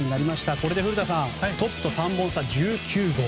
これで古田さんトップと３本差１９号。